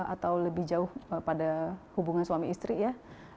atau lebih jauh pada hubungan suami istri ya